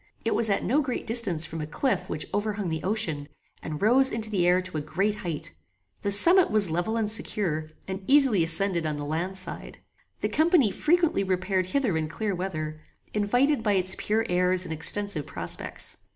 It was at no great distance from a cliff which overhung the ocean, and rose into the air to a great height. The summit was level and secure, and easily ascended on the land side. The company frequently repaired hither in clear weather, invited by its pure airs and extensive prospects.